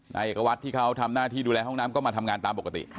นายเอกวัตรที่เขาทำหน้าที่ดูแลห้องน้ำก็มาทำงานตามปกติ